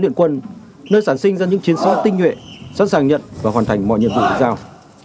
nơi sản sinh ra những chiến sĩ tinh nhuệ sẵn sàng nhận và hoàn thành mọi nhiệm vụ giao